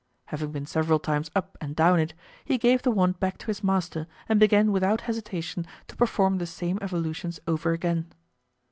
Having been several times up and down it, he gave the wand back to his master and began without hesitation to perform the same evolutions over again.